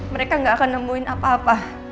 mereka gak akan nemuin apa apa